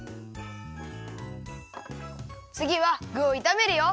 つぎはぐをいためるよ。